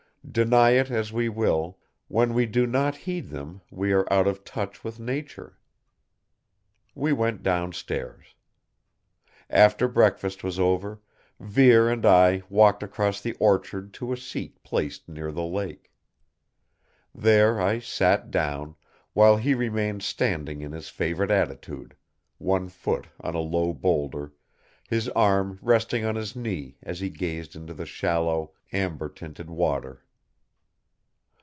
Deny it as we will, when we do not heed them we are out of touch with nature. We went downstairs. After breakfast was over, Vere and I walked across the orchard to a seat placed near the lake. There I sat down, while he remained standing in his favorite attitude: one foot on a low boulder, his arm resting on his knee as he gazed into the shallow, amber tinted water.